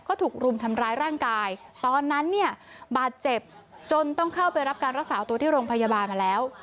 ก็ถูกรุมทำร้ายร่างกายตอนนั้นเนี่ยบาดเจ็บจนต้องเข้าไปรับการรักษาตัวที่โรงพยาบาลมาแล้ว